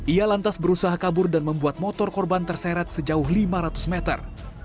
ia lantas berusaha kabur dan membuat motor korban terseret sejauh lima ratus meter